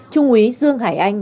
trung úy dương hải anh